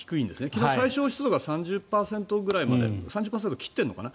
昨日、最小湿度が３０％くらいまで切っているのかな？